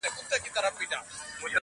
ځاي پر ځای مړ سو سفر یې نیمه خوا سو -